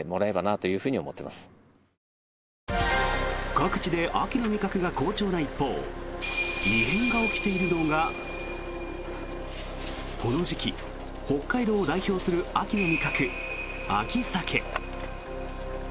各地で秋の味覚が好調な一方異変が起きているのがこの時期北海道を代表する秋の味覚秋サケ。